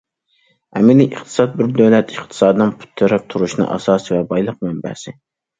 ئەمەلىي ئىقتىساد بىر دۆلەت ئىقتىسادىنىڭ پۇت تىرەپ تۇرۇشىنىڭ ئاساسى ۋە بايلىق مەنبەسى.